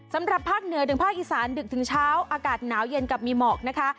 สำหรับภาคเหนือถึงภาคอีสานดึกถึงเช้าอากาศหนาวเย็นกับมีหมอกนะคะ